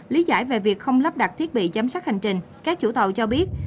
lý giải về việc không lắp đặt thiết bị giám sát hành trình các chủ tàu cho biết